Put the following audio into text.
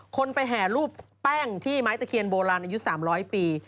คนไปแห่รูปแป้งที่ไม้ตะเคียนโบราณอายุ๓๐๐ปี